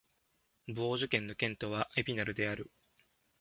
ヴォージュ県の県都はエピナルである